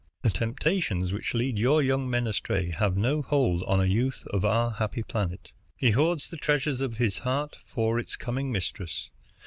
The temptations which lead your young men astray have no hold on a youth of our happy planet. He hoards the treasures of his heart for its coming mistress.